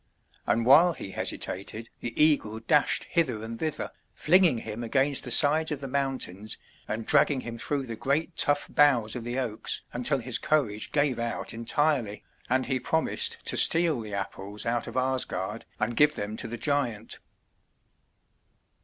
And while he hesitated the eagle dashed hither and thither, flinging him against the sides of the mountains and dragging him through the great tough boughs of the oaks until his courage gave out entirely, and he promised to steal the Apples out of Asgard and give them to the giant.